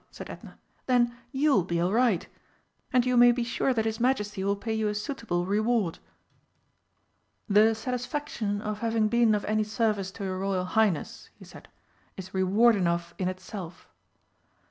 said Edna. "Then you will be all right. And you may be sure that his Majesty will pay you a suitable reward." "The satisfaction of having been of any service to your Royal Highness," he said, "is reward enough in itself."